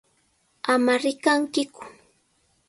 ¡Ama rikankiku!